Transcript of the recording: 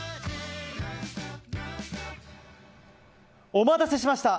お待たせしました！